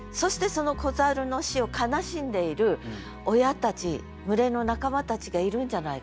その子猿の死を悲しんでいる親たち群れの仲間たちがいるんじゃないかと。